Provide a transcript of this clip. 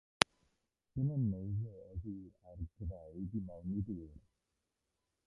Dyn yn neidio oddi ar graig i mewn i dŵr.